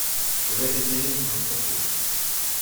Je vais étayer mon propos.